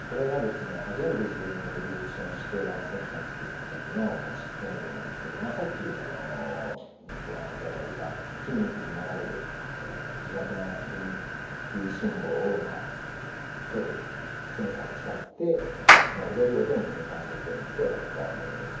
これがですね初めて自分でディレクションをしてダンス作品を作った時の実験映像なんですけどさっきご覧頂いた筋肉に流れる微弱な電気信号をとるセンサーを使って踊りを音に変換するっていうようなことをやったものですね。